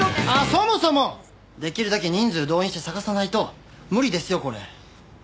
そもそもできるだけ人数動員して捜さないと無理ですよこれ。